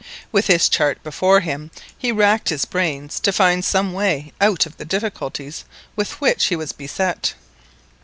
With his chart before him, he racked his brains to find some way out of the difficulties with which be was beset.